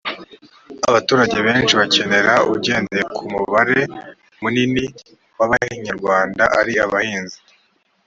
abaturage benshi bakenera ugendeye ko umubare munini w abanyarwanda ari abahinzi